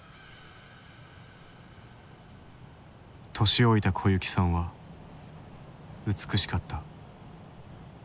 年老いた小雪さんは美しかった。